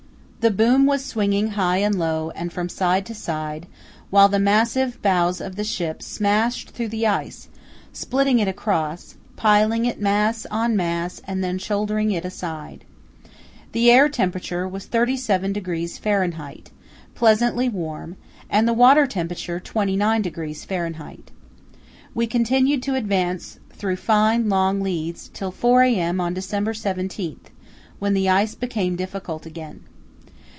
The boom was swinging high and low and from side to side, while the massive bows of the ship smashed through the ice, splitting it across, piling it mass on mass and then shouldering it aside. The air temperature was 37° Fahr., pleasantly warm, and the water temperature 29° Fahr. We continued to advance through fine long leads till 4 a.m. on December 17, when the ice became difficult again.